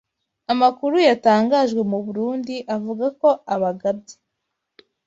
Amakuru yatangajwe mu Burundi avuga ko abagabye